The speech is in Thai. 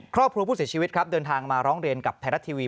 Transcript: ครอบครัวผู้เสียชีวิตครับเดินทางมาร้องเรียนกับไทยรัฐทีวี